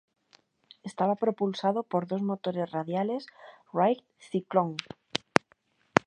Estaba propulsado por dos motores radiales Wright Cyclone.